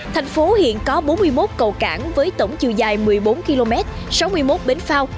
thành phố hiện có bốn mươi một cầu cảng với tổng chiều dài một mươi bốn km sáu mươi một bến phao